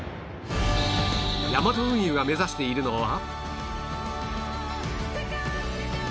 ヤマト運輸が目指しているのは